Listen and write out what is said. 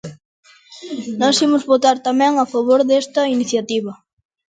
Nós imos votar tamén a favor desta iniciativa.